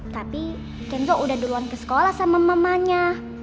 tapi kenjo udah duluan ke sekolah sama mamanya